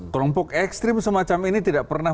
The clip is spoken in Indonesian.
kelompok ekstrim semacam ini tidak pernah